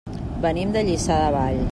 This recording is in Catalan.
Venim de Lliçà de Vall.